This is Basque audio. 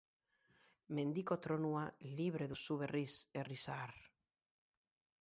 Mendiko tronua libre duzu berriz herri zahar!